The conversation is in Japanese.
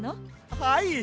はい！